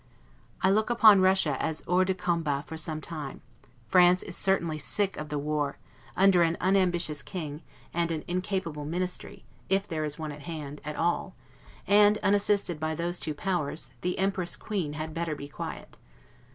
I look upon Russia as 'hors de combat' for some time; France is certainly sick of the war; under an unambitious King, and an incapable Ministry, if there is one at all: and, unassisted by those two powers, the Empress Queen had better be quiet.